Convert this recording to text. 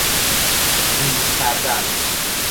جور کردن